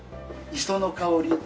磯の香り。